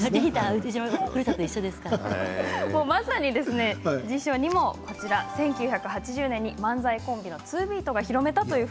まさに辞書にも１９８０年に漫才コンビのツービートが広めたと。